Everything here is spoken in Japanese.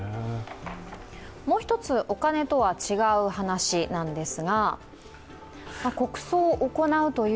もう一つお金とは違う話です。